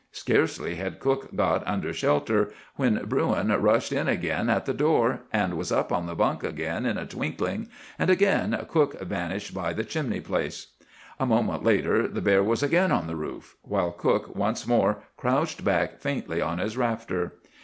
Scarcely had cook got under shelter when Bruin rushed in again at the door, and was up on the bunk again in a twinkling, and again cook vanished by the chimney place. A moment later the bear was again on the roof, while cook once more crouched back faintly on his rafter.